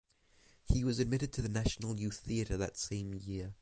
He was admitted to the National Youth Theatre that same year.